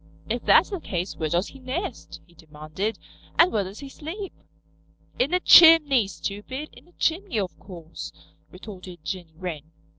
"If that's the case where does he nest?" he demanded. "And where does he sleep?" "In a chimney, stupid. In a chimney, of course," retorted Jenny Wren.